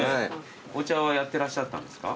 お茶はやってらっしゃったんですか？